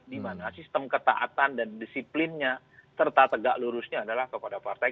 dimana sistem ketaatan dan disiplinnya serta tegak lurusnya adalah kepada partai